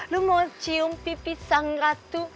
lu mau cium pipit sang ratu